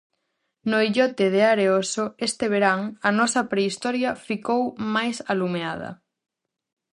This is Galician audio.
No illote de Areoso, este verán, a nosa prehistoria ficou máis alumeada.